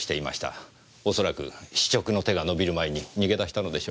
恐らく司直の手が伸びる前に逃げ出したのでしょう。